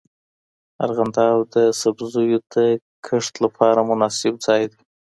ارغنداب د سبزیو د کښت لپاره مناسب ځای دی.